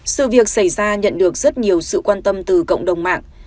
sự việc xảy ra nhận được rất nhiều sự quan tâm từ cộng đồng mạng